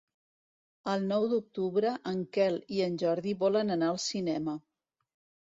El nou d'octubre en Quel i en Jordi volen anar al cinema.